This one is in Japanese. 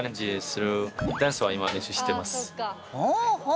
ほうほう。